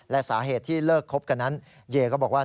และสาเหตุที่เลิกคบกันนั้นเยก็บอกว่า